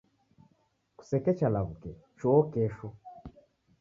Kusekecha law'uke, choo kesho.